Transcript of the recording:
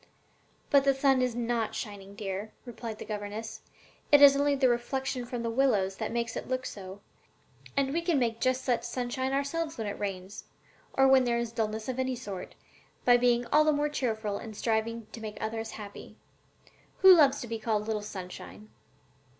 "But the sun is not shining, dear," replied her governess: "it is only the reflection from the willows that makes it look so; and we can make just such sunshine ourselves when it rains, or when there is dullness of any sort, by being all the more cheerful and striving to make others happy. Who loves to be called 'Little Sunshine'?"